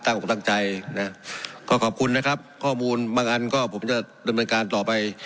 อกตั้งใจนะก็ขอบคุณนะครับข้อมูลบางอันก็ผมจะดำเนินการต่อไป